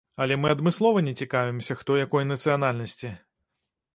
Але мы адмыслова не цікавімся, хто якой нацыянальнасці.